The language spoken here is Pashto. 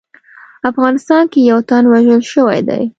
افغانستان کې یو تن وژل شوی دی